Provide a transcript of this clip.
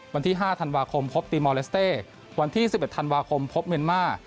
วันที่๕ธันวาคมพบตีมอลเลสเต้วันที่๑๑ธันวาคมพบเมียนมาร์